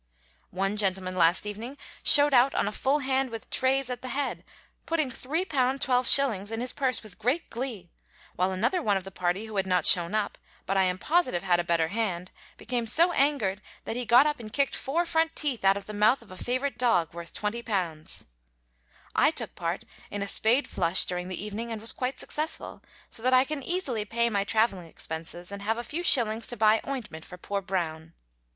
One gentleman last evening showed out on a full hand with "treys at the head," putting £3 12s. in his purse with great glee, while another one of the party who had not shown up, but I am positive had a better hand, became so angered that he got up and kicked four front teeth out of the mouth of a favorite dog worth £20. I took part in a spade flush during the evening and was quite successful, so that I can easily pay my traveling expenses and have a few shillings to buy ointment for poor Brown.